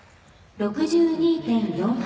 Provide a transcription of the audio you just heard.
６２．４８。